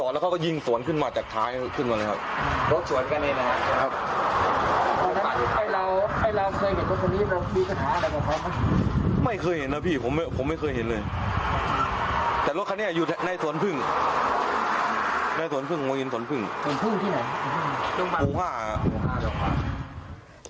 แล้วก็ยิงสวนขึ้นมาจากท้ายขึ้นบริเวณนี้ครับ